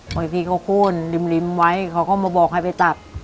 บางทีเขาโค้นริมไว้เขาก็มาบอกให้ไปตัด